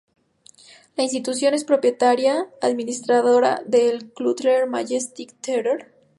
La institución es propietaria y administradora del "Cutler Majestic Theatre".